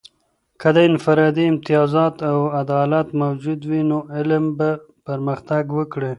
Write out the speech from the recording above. که د انفرادي امتیازات او عدالت موجود وي، نو علم به پرمختګ وکړي.